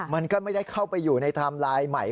มันก็ไม่ได้เข้าไปอยู่ในไทม์ไลน์ใหม่